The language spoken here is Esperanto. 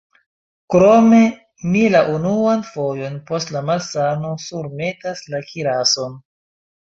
Krome, mi la unuan fojon post la malsano surmetas la kirason.